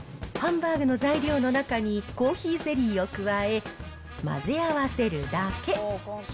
ハンバーグの材料の中に、コーヒーゼリーを加え、混ぜ合わせるだけ。